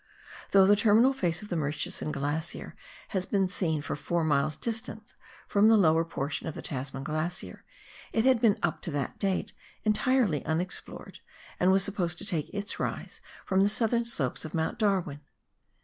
Though the terminal face of the Murchison Glacier had been seen four miles distant from the lower portion of the Tasman Glacier, it had been up to that date entirely unexplored, and was sujDposed to take its rise from the southern slopes of Mount Darwin.